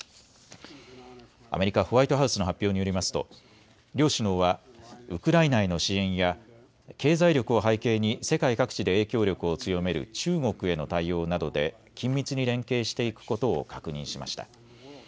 アメリカ・ホワイトハウスの発表によりますと両首脳はウクライナへの支援や経済力を背景に世界各地で影響力を強める中国への対応などで緊密に連携していくことを確認しました。